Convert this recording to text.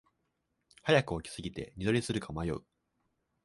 早く起きすぎて二度寝するか迷う